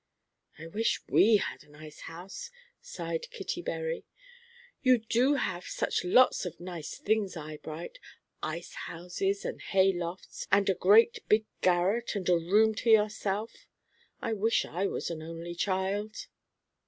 "I wish we had an ice house," sighed Kitty Bury, "you do have such lots of nice things, Eyebright, ice houses and hay lofts and a great big garret, and a room to yourself; I wish I was an only child."